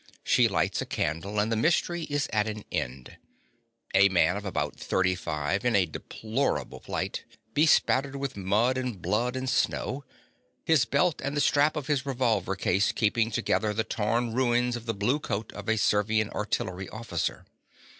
She lights a candle, and the mystery is at an end. A man of about 35, in a deplorable plight, bespattered with mud and blood and snow, his belt and the strap of his revolver case keeping together the torn ruins of the blue coat of a Servian artillery officer.